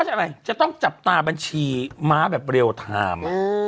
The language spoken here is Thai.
อะไรจะต้องจับตาบัญชีม้าแบบเรียลไทม์